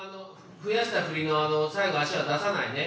増やした振りの最後足は出さないね。